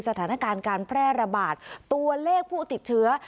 สถานการณ์การแพร่ระบาดตัวเลขผู้ติดเชื้อ